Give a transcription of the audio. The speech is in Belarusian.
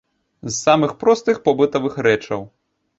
З самых простых побытавых рэчаў?